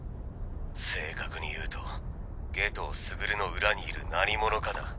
正確に言うと夏油傑の裏にいる何者かだ。